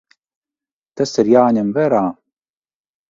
Tas ir jāņem vērā.